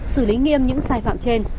xử lý nghiêm những sai phạm trên